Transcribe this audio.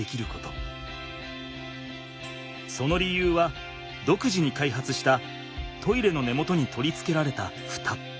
その理由はどくじに開発したトイレの根元に取りつけられたフタ。